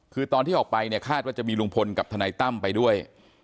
คือตอนที่ออกไปเนี่ยคาดว่าจะมีลุงพลกับทนายตั้มไปด้วย